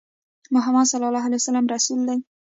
محمد صلی الله عليه وسلم د الله رسول دی